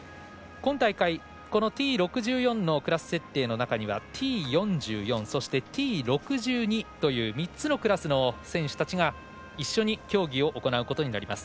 今大会、Ｔ６４のクラス設定の中にはＴ４４、そしてＴ６２という３つのクラスの選手たちが一緒に競技を行うことになります。